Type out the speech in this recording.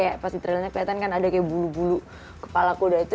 kayak pas di trailnya kelihatan kan ada kayak bulu bulu kepala kuda itu